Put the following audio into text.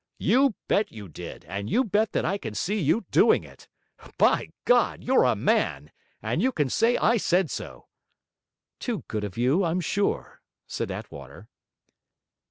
'You bet you did, and you bet that I can see you doing it! By God, you're a man, and you can say I said so.' 'Too good of you, I'm sure,' said Attwater.